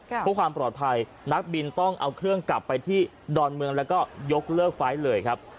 เพื่อความปลอดภัยนักบินต้องเอาเครื่องกลับไปที่ดอนเมืองแล้วก็ยกเลิกไฟล์เลยครับ